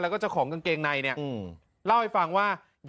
แล้วก็เจ้าของกางเกงในเนี่ย